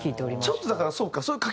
ちょっとだからそうか。